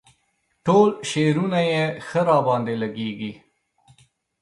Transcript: ټول شعرونه یې ښه راباندې لګيږي.